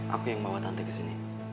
aku yang bawa tante ke sini